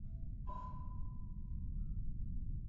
当功课都做完后，她走到客厅